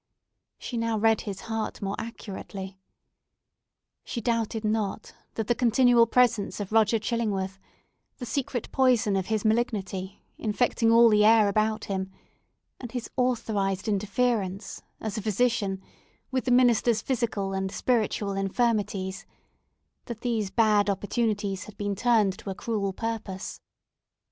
She now read his heart more accurately. She doubted not that the continual presence of Roger Chillingworth—the secret poison of his malignity, infecting all the air about him—and his authorised interference, as a physician, with the minister's physical and spiritual infirmities—that these bad opportunities had been turned to a cruel purpose.